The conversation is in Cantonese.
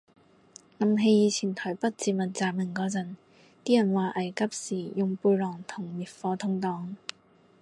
諗起以前台北捷運斬人嗰陣，啲人話危急時用背囊同滅火筒擋